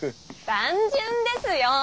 単純ですよー。